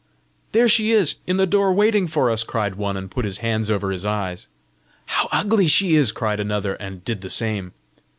"There she is in the door waiting for us!" cried one, and put his hands over his eyes. "How ugly she is!" cried another, and did the same.